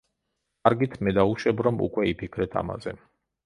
კარგით, მე დავუშვებ, რომ უკვე იფიქრეთ ამაზე.